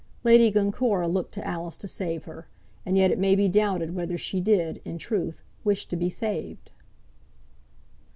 Lady Glencora looked to Alice to save her, and yet it may be doubted whether she did, in truth, wish to be saved.